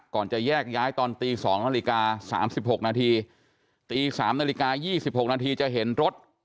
ก่อนจะแยกย้ายตอนตีสองนาฬิกาสามสิบหกนาทีตีสามนาฬิกายี่สิบหกนาทีจะเห็นรถ